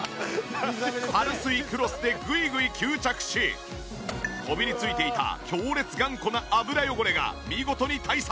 パルスイクロスでぐいぐい吸着しこびり付いていた強烈頑固な油汚れが見事に退散！